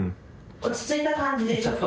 落ち着いた感じでちょっと。